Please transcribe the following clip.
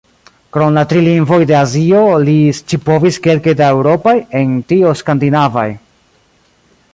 Krom la tri lingvoj de Azio li scipovis kelke da eŭropaj, en tio skandinavaj.